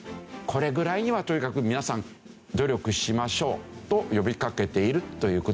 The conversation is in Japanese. これぐらいにはとにかく皆さん努力しましょうと呼びかけているという事ですね。